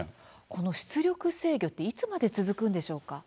この出力制御っていつまで続くんでしょうか？